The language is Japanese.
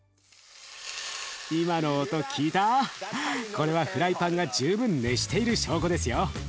これはフライパンが十分熱している証拠ですよ。